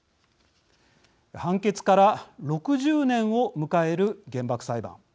判決から６０年を迎える原爆裁判。